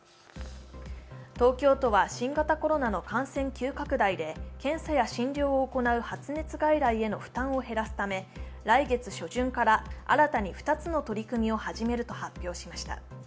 東京都は新型コロナの感染急拡大で検査や診療を行う発熱外来への負担を減らすため来月初旬から、新たに２つの取り組みを始めると発表しました。